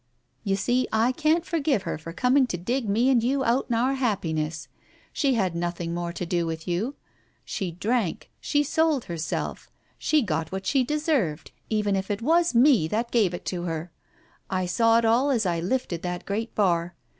You see, I can't forgive her for coming to dig me and you out in our happiness. She had nothing more to do with you. She drank, she sold herself, she got what she deserved, even if it was me that gave it to her. I saw it all as I lifted that great bar.